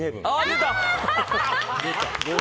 出た。